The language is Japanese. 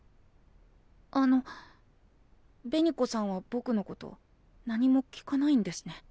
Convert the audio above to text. あの紅子さんはぼくのこと何も聞かないんですね。